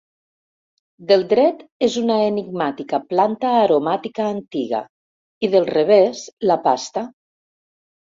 Del dret és una enigmàtica planta aromàtica antiga i del revés la pasta.